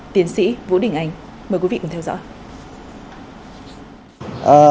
tiến sĩ vũ đình anh mời quý vị cùng theo dõi